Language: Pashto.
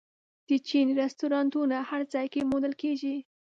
د چین رستورانتونه هر ځای کې موندل کېږي.